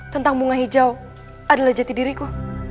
tentang bunga hijau adalah jati diriku